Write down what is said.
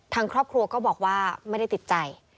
ทางครอบครัวก็บอกว่าไม่ได้ติดใจ